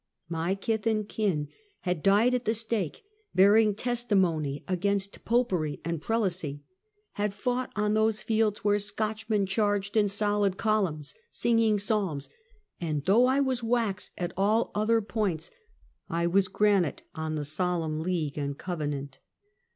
My kith and kin had died at the stake, bear ing testimony against popery and prelacy; had fought on those fields where Scotchmen charged in solid col umns, singing psalms; and though I was wax at all other points, I was granite on " The Solemn League M Half a Centuey. and Covenant."